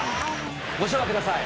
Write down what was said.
ご唱和ください。